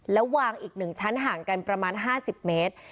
แล้ววางอีก๑ชั้นห่างกันประมาณ๕๐เมตร